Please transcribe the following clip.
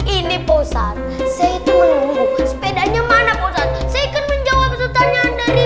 ini posat seitu menunggu sepedanya mana posat seikan menjawab pertanyaan dari